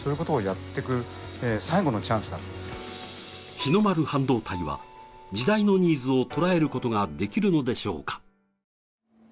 日の丸半導体は時代のニーズを捉えることができるのでしょうか。